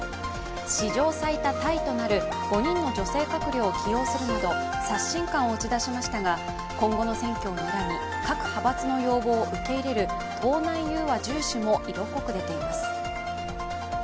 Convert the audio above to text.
史上最多タイとなる５人の女性閣僚を起用するなど刷新感を打ち出しましたが今後の選挙をにらみ、各派閥の要望を受け入れる党内融和重視も色濃く出ています。